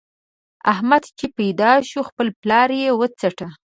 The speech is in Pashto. احمد چې پيدا شو؛ خپل پلار يې وڅاټه.